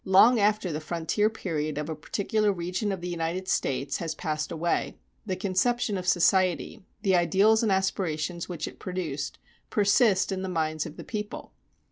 Long after the frontier period of a particular region of the United States has passed away, the conception of society, the ideals and aspirations which it produced, persist in the minds of the people.